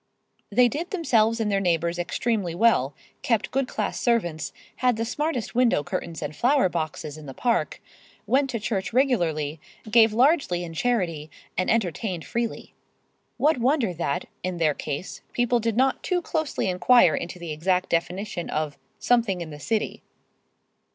They did themselves and their neighbors extremely well, kept good class servants, had the smartest window curtains and flower boxes in the Park, went to church regularly, gave largely in charity and entertained freely. What wonder that, in their case, people did not too closely inquire into the exact definition of "something in the city."